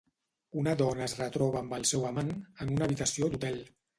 Una dona es retroba amb el seu amant en una habitació d’hotel.